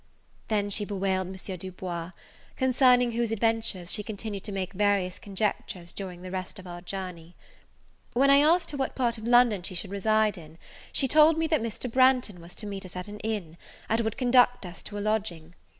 Then she bewailed M. Du Bois; concerning whose adventures she continued to make various conjectures during the rest of our journey. When I asked her what part of London she should reside in, she told me that Mr. Branghton was to meet us at an inn, and would conduct us to a lodging.